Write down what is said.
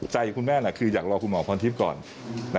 คุณแม่คืออยากรอคุณหมอพรทิพย์ก่อน